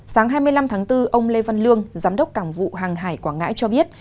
sáng hai mươi năm tháng bốn ông lê văn lương giám đốc cảng vụ hàng hải quảng ngãi cho biết